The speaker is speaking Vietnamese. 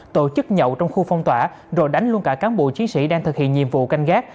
tổ chức nhậu trong khu phong tỏa rồi đánh luôn cả cán bộ chiến sĩ đang thực hiện nhiệm vụ canh gác